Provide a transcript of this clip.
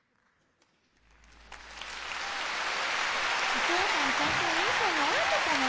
お父さんちゃんとお兄ちゃんに会えたかな？